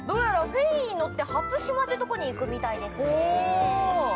フェリーに乗って初島というところに行くみたいですね。